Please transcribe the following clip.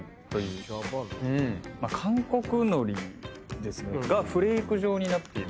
韓国海苔がフレーク状になっている。